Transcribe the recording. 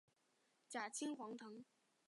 假青黄藤